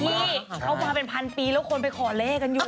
ที่เขามาเป็นพันปีแล้วคนไปขอเลขกันอยู่